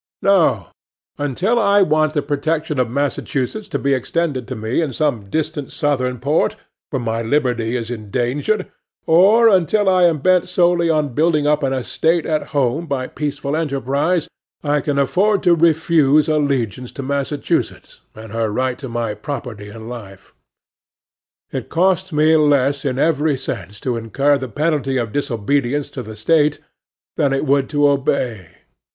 No: until I want the protection of Massachusetts to be extended to me in some distant southern port, where my liberty is endangered, or until I am bent solely on building up an estate at home by peaceful enterprise, I can afford to refuse allegiance to Massachusetts, and her right to my property and life. It costs me less in every sense to incur the penalty of disobedience to the State, than it would to obey.